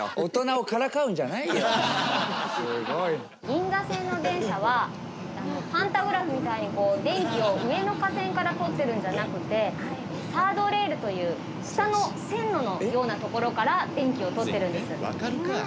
銀座線の電車はパンタグラフみたいに電気を上の架線からとってるんじゃなくてサードレールという下の線路のような所から電気をとってるんです。